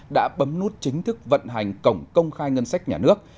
đã bấm nút chính thức vận hành cổng công khai ngân sách nhà nước